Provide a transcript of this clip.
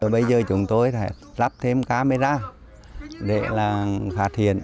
bây giờ chúng tôi đã lắp thêm camera để là khả thiện